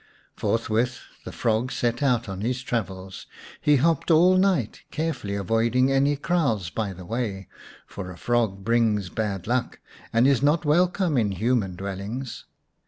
Forthwith the frog set out on his travels. He hopped all night, carefully avoiding any kraals by the way, for a frog brings bad luck, and is not welcome in human dwellings.